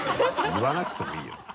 言わなくてもいいよ別に。